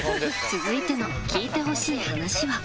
続いての聞いてほしい話は。